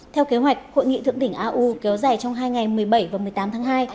theo kế hoạch hội nghị thượng đỉnh au kéo dài trong hai ngày một mươi bảy và một mươi tám tháng hai